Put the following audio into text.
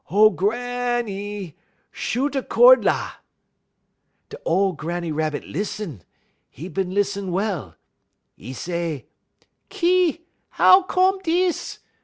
O Granny! Shoot a cord la!_' "Da ole Granny Rabbit lissun; 'e bin lissun well. 'E say: "'Ki! how come dis?